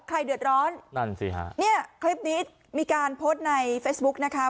ใครเดือดร้อนนั่นสิฮะเนี่ยคลิปนี้มีการโพสต์ในเฟซบุ๊กนะคะ